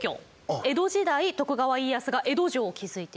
江戸時代徳川家康が江戸城を築いていた場所。